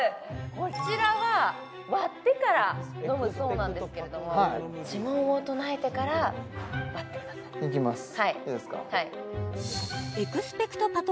こちらは割ってから飲むそうなんですけれどもはい呪文を唱えてから割ってくださいいきますいいですか？